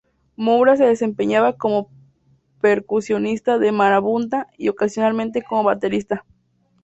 Moura se desempeñaba como percusionista de Marabunta y ocasionalmente como baterista.